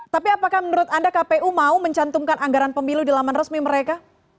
tapi apakah menurut anda kpu mau mencantumkan anggaran pemilu di laman resmi mereka